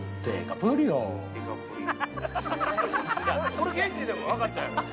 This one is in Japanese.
これ現地でも分かったやろ？